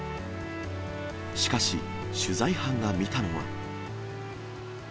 しかし、取材班が見たのは。